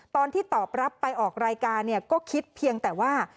ตอนที่ตอบรับไปออกรายการเนี่ยก็คิดเพียงแต่ว่า